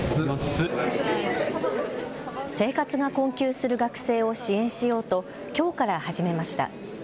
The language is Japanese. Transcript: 生活が困窮する学生を支援しようときょうから始めました。